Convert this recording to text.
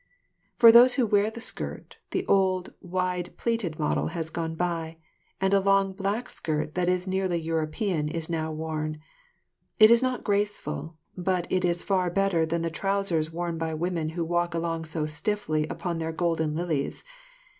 For those who wear the skirt, the old, wide pleated model has gone by, and a long black skirt that is nearly European is now worn. It is not graceful, but it is far better than the trousers worn by women who walk along so stiffly upon their "golden lilies."